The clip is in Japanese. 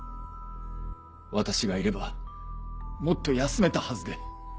私がいればもっと休めたはずで。